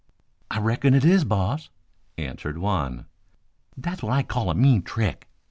"I reckon it is, boss," answered one. "That's what I call a mean trick!"